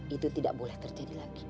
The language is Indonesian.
itu tidak boleh terjadi lagi